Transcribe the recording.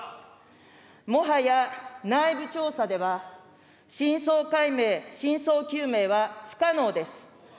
もはや内部調査では真相解明、真相究明は不可能です。